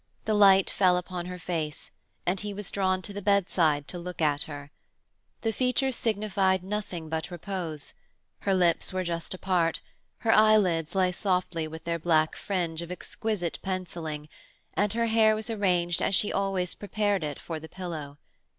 The light fell upon her face, and he was drawn to the bedside to look at her. The features signified nothing but repose; her lips were just apart, her eyelids lay softly with their black fringe of exquisite pencilling, and her hair was arranged as she always prepared it for the pillow.